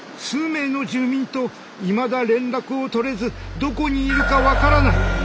数名の住民といまだ連絡を取れずどこにいるか分らない。